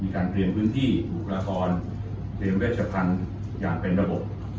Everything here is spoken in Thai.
มีการเตรียมพื้นที่บุคลากรเตรียมเวชพันธุ์อย่างเป็นระบบ